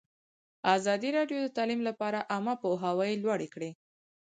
ازادي راډیو د تعلیم لپاره عامه پوهاوي لوړ کړی.